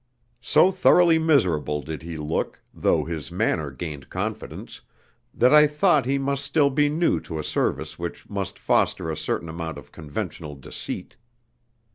So thoroughly miserable did he look, though his manner gained confidence, that I thought he must still be new to a service which must foster a certain amount of conventional deceit.